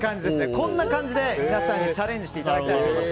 こんな感じで皆さんにチャレンジしていただきたいと思います。